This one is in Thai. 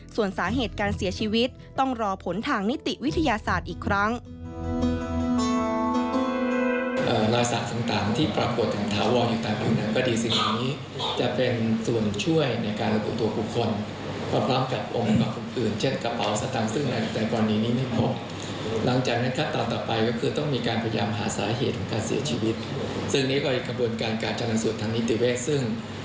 ส่วนสาเหตุการเสียชีวิตต้องรอผลทางนิติวิทยาศาสตร์อีกครั้ง